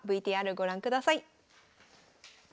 ＶＴＲご覧ください。